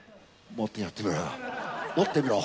もっとやってみろよ。